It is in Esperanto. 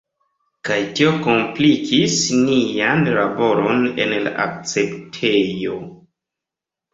Kaj tio komplikis nian laboron en la akceptejo.